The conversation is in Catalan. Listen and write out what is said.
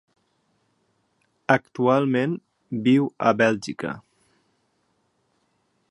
Actualment viu a Bèlgica.